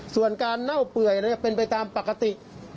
ส่วนการเน่าเปื่อยเป็นไปตามปกติ